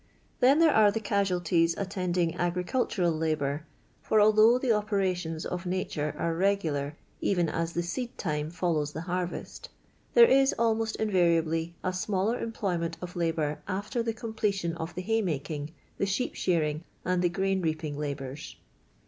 Then there are the casnalties attending agricuU tunil laboar, for, although the operations of natare are regular "even as the seed time follows the harrest," there is, almost invariably, a smaller employment of labour af^r the completion of the haymaking, the sheep shearing, and the grain reaping labours.